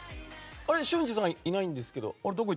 松陰寺さんいないんですけど。